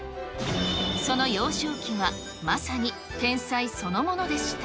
その幼少期は、まさに天才そのものでした。